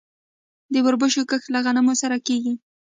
د وربشو کښت له غنمو سره کیږي.